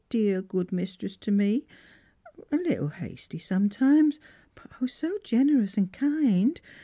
dear good mistress to me. A little hasty sometimes, but O, 80 generous and kind.